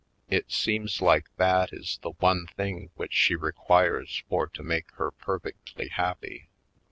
It seems like that is the one thing which she requires for to make her perfectly happy.